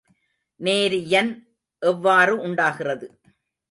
நேரியன் எவ்வாறு உண்டாகிறது?